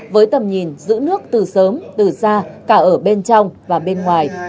với tầm nhìn giữ nước từ sớm từ xa cả ở bên trong và bên ngoài